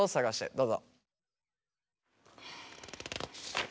どうぞ。